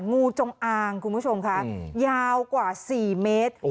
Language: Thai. งูจงอางคุณผู้ชมค่ะยาวกว่า๔เมตร